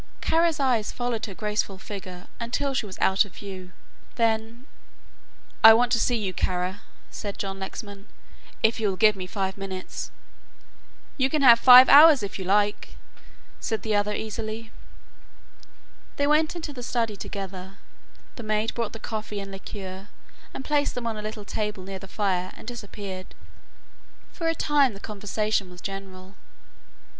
Kara's eyes followed her graceful figure until she was out of view, then: "I want to see you, Kara," said John Lexman, "if you will give me five minutes." "You can have five hours, if you like," said the other, easily. They went into the study together; the maid brought the coffee and liqueur, and placed them on a little table near the fire and disappeared. For a time the conversation was general.